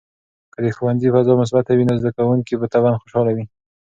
که د ښوونځي فضا مثبته وي، نو زده کوونکي به طبعاً خوشحال وي.